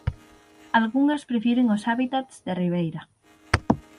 Algunhas prefiren os hábitats de ribeira.